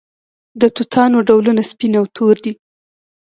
د توتانو ډولونه سپین او تور دي.